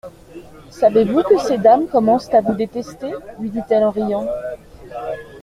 Savez-vous que ces dames commencent à vous détester ? lui dit-elle en riant.